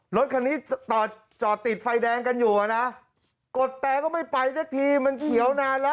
รถคันนี้จอดจอดติดไฟแดงกันอยู่อ่ะนะกดแต่ก็ไม่ไปสักทีมันเขียวนานแล้ว